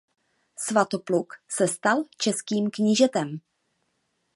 Svatopluk se stal českým knížetem.